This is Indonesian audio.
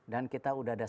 dan kita udah ada